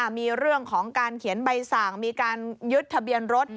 มีเรื่องของการเขียนใบสั่งมีการยึดทะเบียนรถ